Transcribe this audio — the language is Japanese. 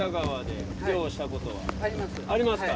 ありますか。